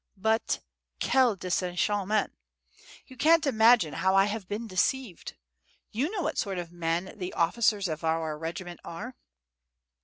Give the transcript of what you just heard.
But, quel desenchantement! You can't imagine how I have been deceived! You know what sort of men the officers of our regiment are."